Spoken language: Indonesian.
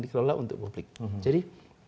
dikelola untuk publik jadi